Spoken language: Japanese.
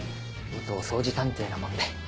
元お掃除探偵なもんで。